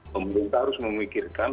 pemerintah harus memikirkan